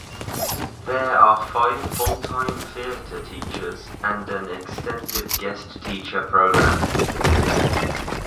There are five full time theater teachers and an extensive guest teacher program.